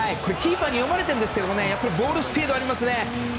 キーパーに読まれているんですがボールにスピードがありますね。